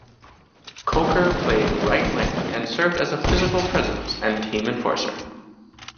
Kocur played right wing and served as a physical presence and team enforcer.